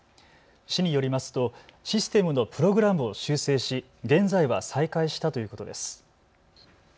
市によりますとシステムのプログラムを修正し現在は再開したということです。